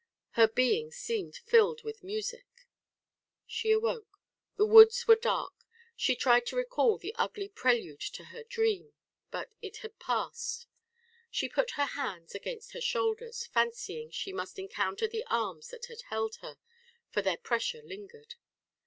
Her being seemed filled with music. She awoke. The woods were dark. She tried to recall the ugly prelude to her dream, but it had passed. She put her hands against her shoulders, fancying she must encounter the arms that had held her, for their pressure lingered.